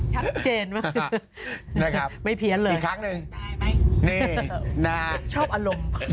ชัดเจนมากนะครับไม่เพี้ยนเลยอีกครั้งหนึ่งนี่นะฮะชอบอารมณ์